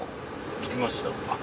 着きました。